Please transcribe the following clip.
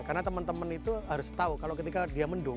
karena teman teman itu harus tahu kalau ketika dia mendung